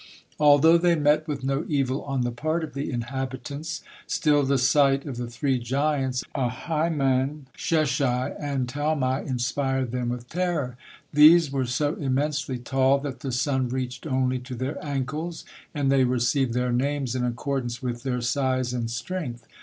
Although they met with no evil on the part of the inhabitants, still the sight of the three giants, Ahiman, Sheshai, and Talmai inspired them with terror. These were so immensely tall that the sun reached only to their ankles, and they received their names in accordance with their size and strength.